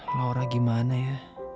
aduh laura gimana ya